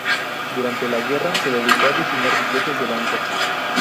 Durante la guerra se dedicó a diseñar billetes de banco.